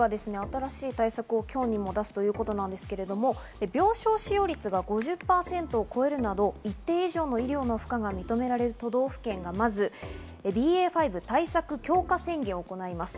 今日にも出すということなんですけれども、病床使用率が５０％を超えるなど、一定以上の医療の負荷が認められると道府県がまずＢＡ．５対策強化宣言を行います。